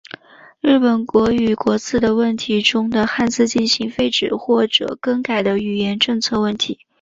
日本国语国字问题中的汉字进行废止或者更改的语言政策问题。